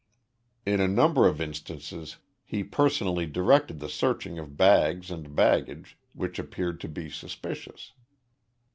In a number of instances he personally directed the searching of bags and baggage which appeared to be suspicious.